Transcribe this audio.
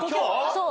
そう。